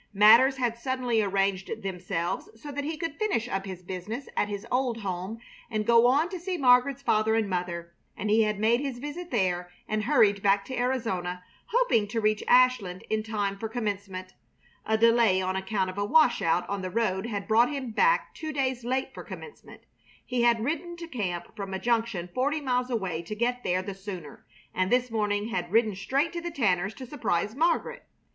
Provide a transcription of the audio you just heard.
Matters had suddenly arranged themselves so that he could finish up his business at his old home and go on to see Margaret's father and mother, and he had made his visit there and hurried back to Arizona, hoping to reach Ashland in time for Commencement. A delay on account of a washout on the road had brought him back two days late for Commencement. He had ridden to camp from a junction forty miles away to get there the sooner, and this morning had ridden straight to the Tanners' to surprise Margaret.